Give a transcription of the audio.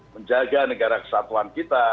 menjaga negara kesatuan kita